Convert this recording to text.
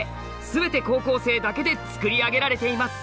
全て高校生だけで作り上げられています。